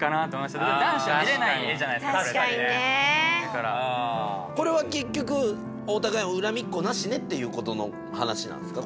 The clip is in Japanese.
確かにね。これは結局お互い恨みっこなしねっていうことの話なんですか？